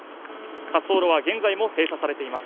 滑走路は現在も閉鎖されています